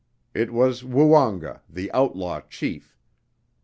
It was Woonga, the outlaw chief!